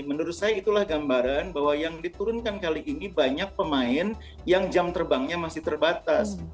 menurut saya itulah gambaran bahwa yang diturunkan kali ini banyak pemain yang jam terbangnya masih terbatas